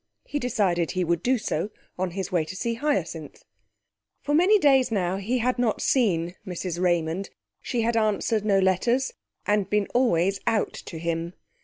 He decided he would do so on his way to see Hyacinth. For many days now he had not seen Mrs Raymond. She had answered no letters, and been always 'out' to him.